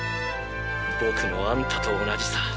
僕もあんたと同じさ。